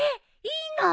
いいの？